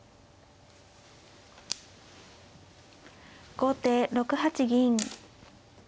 後手６八銀。